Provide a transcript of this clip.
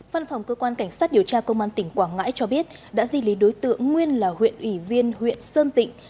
văn phòng cơ quan cảnh sát điều tra công an tỉnh quảng ngãi cho biết đã di lý đối tượng nguyên là huyện ủy viên huyện sơn tịnh